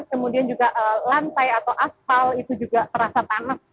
kemudian juga lantai atau aspal itu juga terasa panas